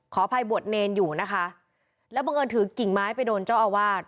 ขออภัยบวชเนรอยู่นะคะแล้วบังเอิญถือกิ่งไม้ไปโดนเจ้าอาวาส